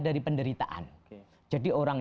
dari penderitaan jadi orang